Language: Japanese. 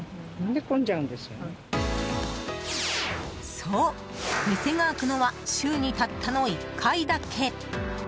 そう、店が開くのは週にたったの１回だけ。